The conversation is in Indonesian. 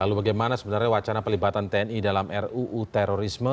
lalu bagaimana sebenarnya wacana pelibatan tni dalam ruu terorisme